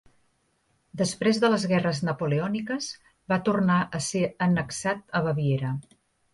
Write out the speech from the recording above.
Després de les guerres napoleòniques, va tornar a ser annexat a Baviera.